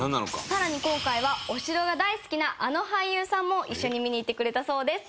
更に今回はお城が大好きなあの俳優さんも一緒に見に行ってくれたそうです。